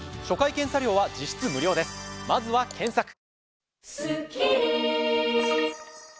初回検査料は実質無料ですまずは検索。